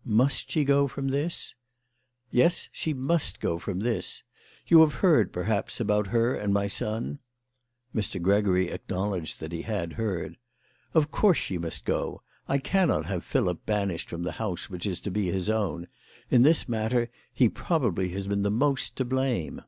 " Must she go from this ?"" Yes ; she must go from this. You have heard, perhaps, about her and my son." Mr. Gregory acknowledged that he had heard. " Of course she must go. I cannot have Philip banished from the house which is to be his own. In this matter he pro bably has been the most to blame."